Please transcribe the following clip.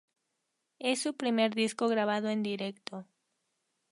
Es su primer disco grabado en directo.